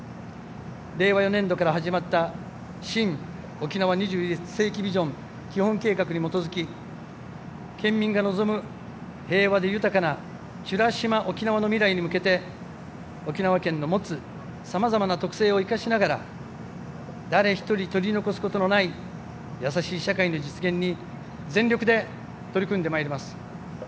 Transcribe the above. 令和４年度から始まった新・沖縄２１世紀ビジョン基本計画に基づき、県民が望む平和で豊かな美ら島おきなわの未来に向けて沖縄県の持つさまざまな特性を生かしながら誰一人取り残すことのない優しい社会の実現に全力で取り組んでまいります。